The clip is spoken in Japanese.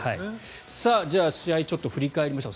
じゃあ試合を振り返りましょう。